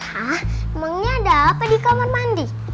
hah emangnya ada apa di kamar mandi